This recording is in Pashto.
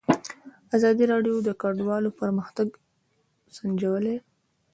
ازادي راډیو د کډوال پرمختګ سنجولی.